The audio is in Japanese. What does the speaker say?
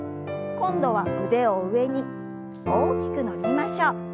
今度は腕を上に大きく伸びましょう。